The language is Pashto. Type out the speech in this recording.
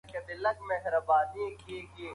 موږ د ټولنپوهنې کتاب لولو.